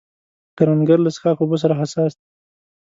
کروندګر له څښاک اوبو سره حساس دی